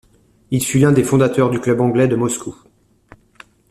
Il fut l'un des fondateurs du Club anglais de Moscou.